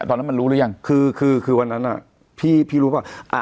แต่ตอนนั้นมันรู้หรือยังคือคือคือวันนั้นอ่ะพี่พี่รู้หรือเปล่า